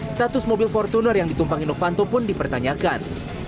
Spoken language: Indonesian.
status mobil fortuner yang ditumpangi novanto pun dipertanyakan